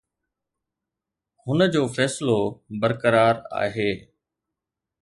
هن جو فيصلو برقرار آهي.